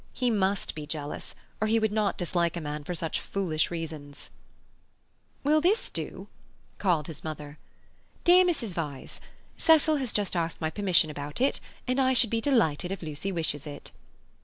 He must be jealous, or he would not dislike a man for such foolish reasons. "Will this do?" called his mother. "'Dear Mrs. Vyse,—Cecil has just asked my permission about it, and I should be delighted if Lucy wishes it.